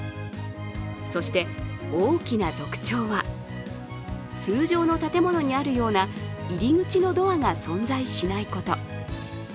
そして、大きな特徴は、通常の建物にあるような入り口のドアが存在しないこと。